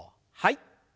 はい。